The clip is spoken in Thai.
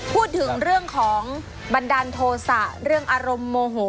พูดถึงเรื่องของบันดาลโทษะเรื่องอารมณ์โมโห